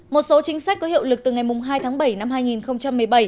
một số chính sách có hiệu lực từ ngày hai tháng bảy năm hai nghìn một mươi bảy